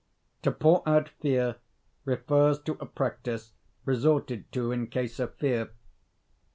(2) "To pour out fear" refers to a practice resorted to in case of fear.